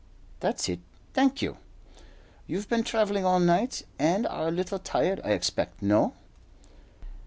"That's it, thank you. You've been travelling all night and are a little tired, I expect. No?